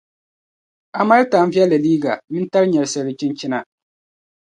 a mali tan'viɛlli liiga mini tan' nyɛlsirili chinchina.